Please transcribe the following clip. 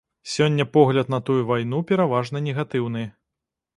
Сёння погляд на тую вайну пераважна негатыўны.